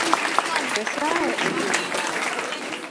Nyasaye engima